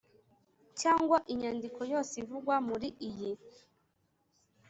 cyangwa inyandiko yose ivugwa muri iyi